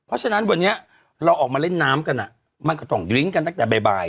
เพราะฉะนั้นวันนี้เราออกมาเล่นน้ำกันมันก็ต้องดริ้งกันตั้งแต่บ่าย